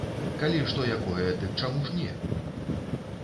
Калі што якое, дык чаму ж не!